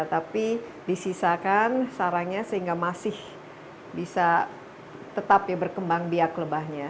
tapi disisakan sarangnya sehingga masih bisa tetap ya berkembang biak lebahnya